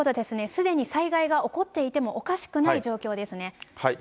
すでに災害が起こっていてもおかしくない状況ですね。